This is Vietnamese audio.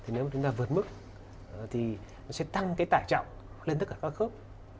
nếu chúng ta vượt mức sẽ tăng tải trọng lên tất cả các khớp